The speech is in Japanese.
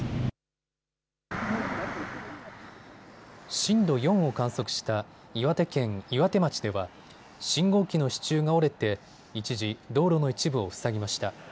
震度４を観測した岩手県岩手町では信号機の支柱が折れて一時、道路の一部を塞ぎました。